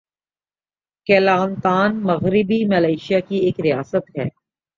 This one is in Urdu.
"کیلانتان" مغربی ملائیشیا کی ایک ریاست ہے۔